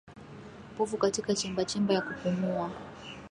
Povu katika chemba chemba ya kupumua